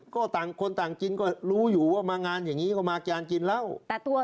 คนต่างจินก็รู้อยู่ว่ามางานอย่างนี้ก็มากยานจินแล้ว